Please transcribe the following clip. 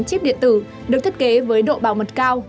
chip điện tử được thiết kế với độ bảo mật cao